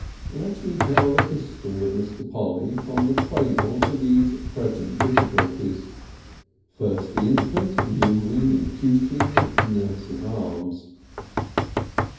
Let me tell the history of Mr. Polly from the cradle to these present difficulties. "First the infant, mewling and puking in its nurse's arms."